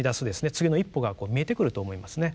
次の一歩が見えてくると思いますね。